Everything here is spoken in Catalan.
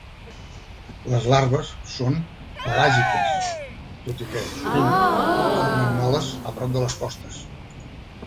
Les larves són pelàgiques, tot i que, sovint, formen moles a prop de les costes.